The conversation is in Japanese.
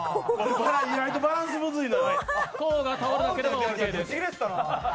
意外とバランスむずいのよ。